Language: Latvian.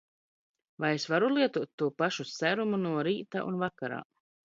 Vai es varu lietot to pašu serumu no rīta un vakarā?